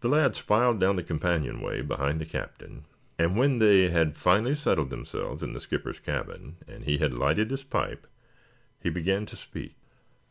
The lads filed down the companionway behind the Captain, and when they had finally settled themselves in the skipper's cabin and he had lighted his pipe, he began to speak.